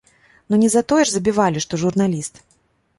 Ну, не за тое ж забівалі, што журналіст!